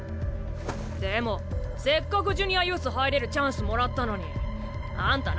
でもせっかくジュニアユース入れるチャンスもらったのにあんた